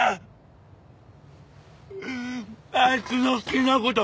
あいつの好きなこと